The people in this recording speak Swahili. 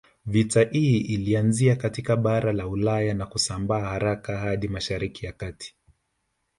Vita hii ilianzia katika bara la Ulaya na kusambaa haraka hadi Mshariki ya kati